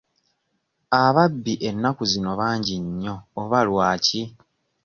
Ababbi ennaku zino bangi nnyo oba lwaki?